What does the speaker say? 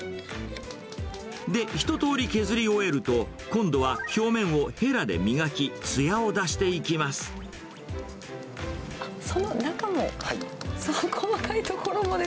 で、一とおり削り終えると、今度は表面をへらで磨き、つやを出していあ、その中も？